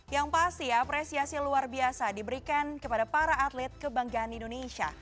yang pasti apresiasi luar biasa diberikan kepada para atlet kebanggaan indonesia